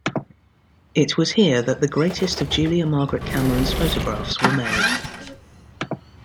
It was here that the greatest of Julia Margaret Cameron's photographs were made.